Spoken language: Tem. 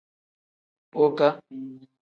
Boka.